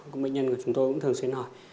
các bệnh nhân của chúng tôi cũng thường xuyên hỏi